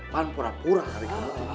man pura pura dari kemud